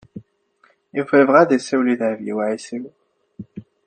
Yuba yebɣa ad yessiwel i Dehbiya u Ɛisiw.